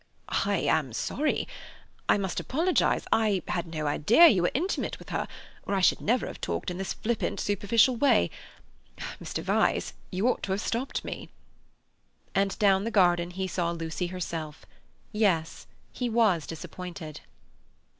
"I am sorry; I must apologize. I had no idea you were intimate with her, or I should never have talked in this flippant, superficial way. Mr. Vyse, you ought to have stopped me." And down the garden he saw Lucy herself; yes, he was disappointed.